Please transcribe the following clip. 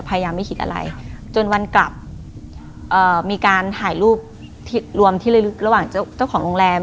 ยินดีกว่าไม่ทิชโมจนวันกลับมีการถ่ายรูปลวมที่ลาดละหว่างเจ้าของโลงแรม